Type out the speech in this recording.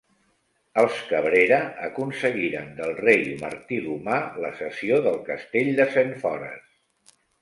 Els Cabrera aconseguiren del rei Martí l'Humà la cessió del castell de Sentfores.